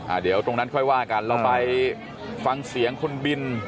เดี๋ยวตรงนั้นค่อยว่ากันเราไปฟังเสียงคุณบิน